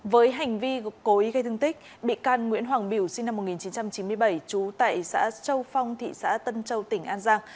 với hành vi gội gây thương tích bị can nguyễn hoàng biểu sinh năm một nghìn chín trăm chín mươi bảy trú tại xã châu phong thị xã tân châu tỉnh an giang